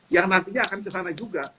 yang nantinya akan ke sana juga